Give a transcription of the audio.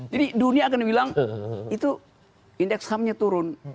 jadi dunia akan bilang itu indeks hamsnya turun